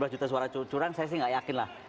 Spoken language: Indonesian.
dua belas juta suara cucu curang saya sih nggak yakin lah